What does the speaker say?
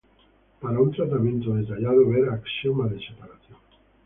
Para un tratamiento detallado, vea axioma de separación.